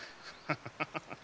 ハハハハ。